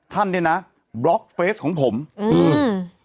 เนี้ยนะบล็อกเฟสของผมอืม